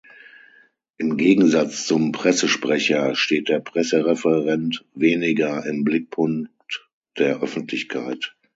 Im Gegensatz zum Pressesprecher steht der Pressereferent weniger im Blickpunkt der Öffentlichkeit.